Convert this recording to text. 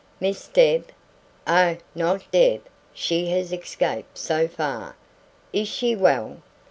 "Miss Deb?" "Oh, not Deb; she has escaped so far." "Is she well?"